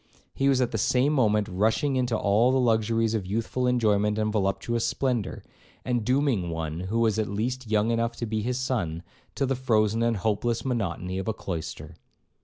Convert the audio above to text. He was at the same moment rushing into all the luxuries of youthful enjoyment and voluptuous splendour, and dooming one, who was at least young enough to be his son, to the frozen and hopeless monotony of a cloister.